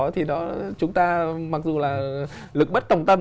thì chúng ta mặc dù là lực bất tổng tâm